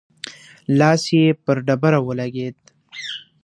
لاس يې پر ډبره ولګېد.